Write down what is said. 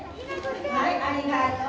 はい、ありがとう。